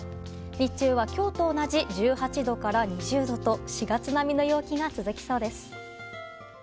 日中は今日と同じ１８度から２０度と４月並みの陽気が続きそうです。